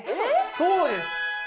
そうです！